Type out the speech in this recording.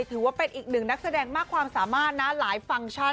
ถือว่าเป็นอีกหนึ่งนักแสดงมากความสามารถนะหลายฟังก์ชัน